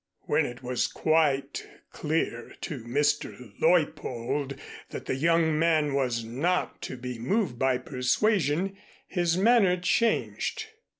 When it was quite clear to Mr. Leuppold that the young man was not to be moved by persuasion, his manner changed.